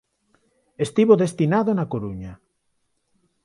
Estivo destinado na Coruña.